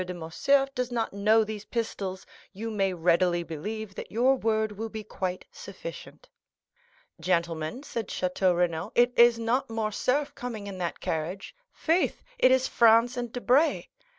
de Morcerf does not know these pistols, you may readily believe that your word will be quite sufficient." "Gentlemen," said Château Renaud, "it is not Morcerf coming in that carriage;—faith, it is Franz and Debray!"